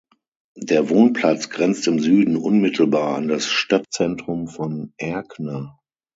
Der Wohnplatz grenzt im Süden unmittelbar an das Stadtzentrum von Erkner.